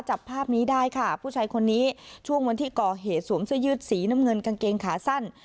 จับภาพนี้ได้ค่ะผู้ชายคนนี้ช่วงวันที่ก่อเหตุสวมเสื้อยืดสีน้ำเงินกางเกงขาสั้น